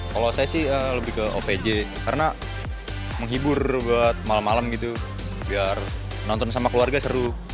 kalau saya sih lebih ke ovj karena menghibur buat malam malam gitu biar nonton sama keluarga seru